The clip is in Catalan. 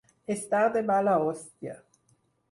Estar de mala hòstia.